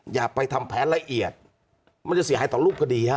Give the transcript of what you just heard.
อย่าไปทำแผนละเอียดมันจะเสียหายต่อรูปคดีฮะ